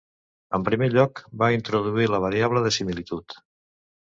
En primer lloc, va introduir la variable de similitud.